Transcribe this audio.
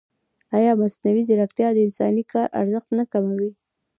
ایا مصنوعي ځیرکتیا د انساني کار ارزښت نه کموي؟